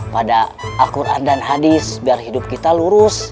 pada al quran dan hadis biar hidup kita lurus